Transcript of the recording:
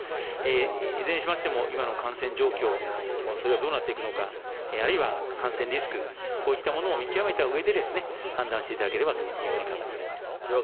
いずれにしましても、今の感染状況、それがどうなっていくのか、あるいは感染リスク、こういったものを見極めたうえでですね、判断していただければというふうに考えております。